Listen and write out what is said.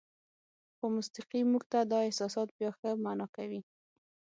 خو موسیقي موږ ته دا احساسات بیا ښه معنا کوي.